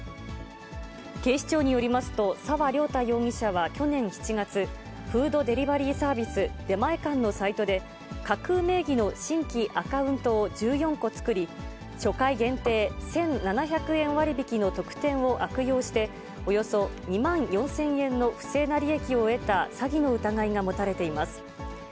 警視庁によりますと、沢涼太容疑者は去年７月、フードデリバリーサービス、出前館のサイトで、架空名義の新規アカウントを１４個作り、初回限定１７００円割引の特典を悪用して、およそ２万４０００円の不正な利益を得た詐欺の疑いが持たれています。